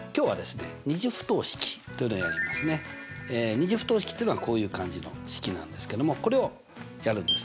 ２次不等式というのはこういう感じの式なんですけどもこれをやるんです。